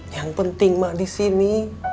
yang penting ma disini